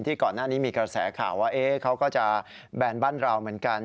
ก่อนหน้านี้มีกระแสข่าวว่าเขาก็จะแบนบ้านเราเหมือนกัน